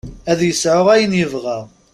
Ad yesɛu ayen yebɣa.